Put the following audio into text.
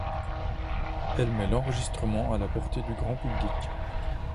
Elle met l'enregistrement à la portée du grand public.